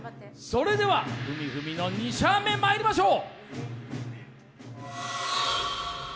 それではフミフミの２射目まいりましょう。